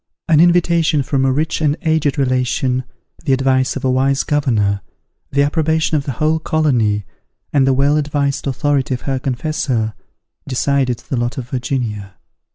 an invitation from a rich and aged relation, the advice of a wise governor, the approbation of the whole colony, and the well advised authority of her confessor, decided the lot of Virginia.